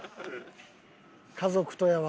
家族とやわ。